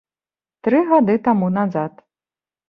Тры гады таму назад.